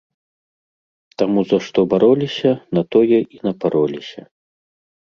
Таму за што бароліся, на тое і напароліся.